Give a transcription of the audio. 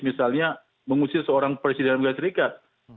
misalnya mengusir seorang presiden amerika serikat